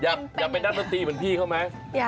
อยากเป็นนักดนตรีเหมือนพี่เขาไหม